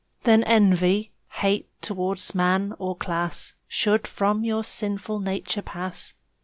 Then envy, hate towards man or class Should from your sinful nature pass.